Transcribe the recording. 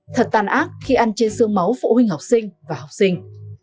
thật tàn ác khi ăn trên xương máu phụ huynh học sinh và học sinh